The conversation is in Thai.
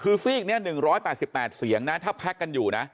คือซีกนี้๑๘๘เสียงนะถ้าแพ็คกันอยู่นะ